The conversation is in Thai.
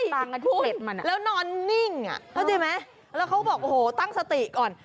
ใช่คุณแล้วนอนนิ่งอ่ะเขาบอกโอ้โหตั้งสติก่อน